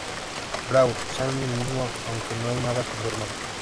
Brawl sean el mismo, aunque no hay nada confirmado.